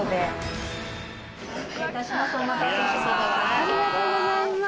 ありがとうございます。